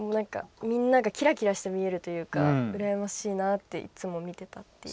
みんながキラキラして見えるというか羨ましいなっていつも見てたんで。